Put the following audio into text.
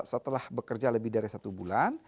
setelah bekerja lebih dari satu bulan